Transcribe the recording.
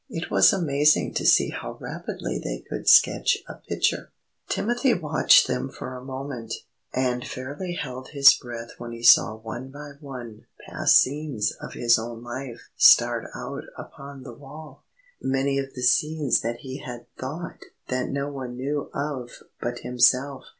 It was amazing to see how rapidly they could sketch a picture. Timothy watched them for a moment, and fairly held his breath when he saw one by one past scenes of his own life start out upon the wall. Many of the scenes he had thought that no one knew of but himself.